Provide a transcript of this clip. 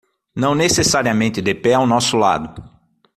Não necessariamente de pé ao nosso lado